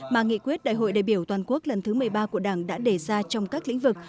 mà nghị quyết đại hội đại biểu toàn quốc lần thứ một mươi ba của đảng đã đề ra trong các lĩnh vực